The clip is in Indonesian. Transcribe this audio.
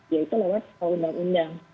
yaitu lewat undang undang